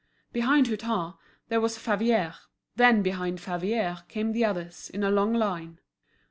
Behind Hutin, there was Favier; then behind Favier came the others, in a long line.